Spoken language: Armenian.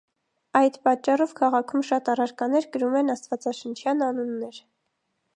Այդ պատճառով քաղաքում շատ առարկաներ կրում են աստվածաշնչյան անուններ։